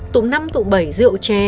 tụ năm tụ bảy rượu che